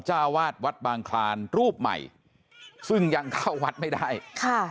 เจ้าวาดวัดบางคลานรูปใหม่ซึ่งยังเข้าวัดไม่ได้ค่ะ